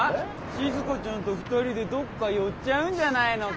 しずかちゃんと２人でどっか寄っちゃうんじゃないのか？